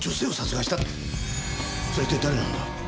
それは一体誰なんだ？